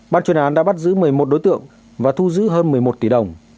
ban chuyên án đã bắt giữ một mươi một đối tượng và thu giữ hơn một mươi một tỷ đồng